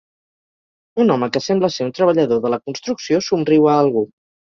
Un home que sembla ser un treballador de la construcció somriu a algú.